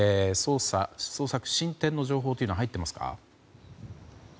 捜索進展の情報は入っていますか？